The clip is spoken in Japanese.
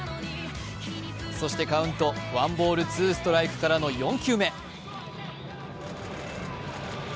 そしてカウント、ワンボール・ツーストライクからの４球目。